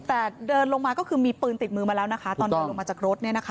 แต่เดินลงมาก็คือมีปืนติดมือมาแล้วนะคะตอนเดินลงมาจากรถเนี่ยนะคะ